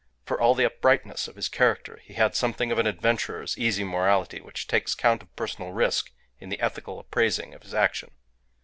For all the uprightness of his character, he had something of an adventurer's easy morality which takes count of personal risk in the ethical appraising of his action.